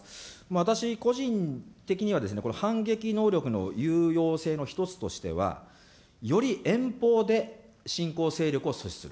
私、個人的には、この反撃能力の有用性の１つとしては、より遠方で侵攻勢力を阻止する。